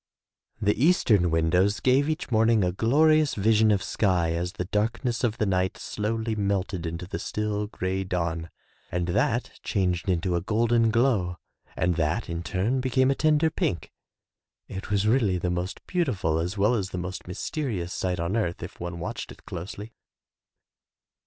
The eastern windows gave each morning a glori ous vision of sky as the darkness of the night slowly melted into the still, gray dawn, and that changed into a golden glow and that in turn became a tender pink. It was really the most beauti ful as well as the most mysterious sight on earth if one watched it closely.